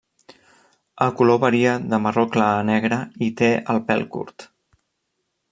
El color varia de marró clar a negre i té el pèl curt.